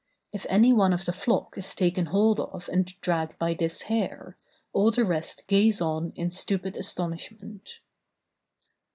If any one of the flock is taken hold of and dragged by this hair, all the rest gaze on in stupid astonishment.